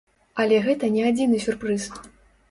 Але гэта не адзіны сюрпрыз.